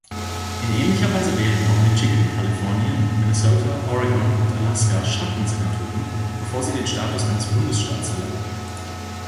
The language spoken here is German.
In ähnlicher Weise wählten auch Michigan, Kalifornien, Minnesota, Oregon und Alaska Schattensenatoren, bevor sie den Status eines Bundesstaats erlangten.